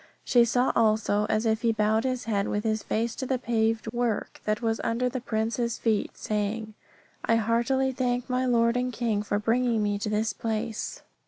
She saw also as if he bowed his head with his face to the paved work that was under the Prince's feet, saying, I heartily thank my Lord and King for bringing me to this place.